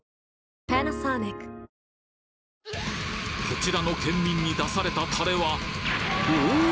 こちらの県民に出されたタレはおぉ！！